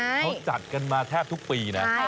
เขาจัดกันมาแทบทุกปีนะ